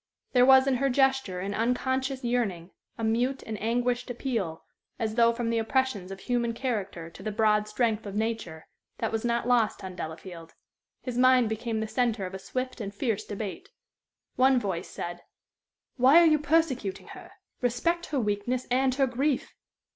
There was in her gesture an unconscious yearning, a mute and anguished appeal, as though from the oppressions of human character to the broad strength of nature, that was not lost on Delafield. His mind became the centre of a swift and fierce debate. One voice said: "Why are you persecuting her? Respect her weakness and her grief."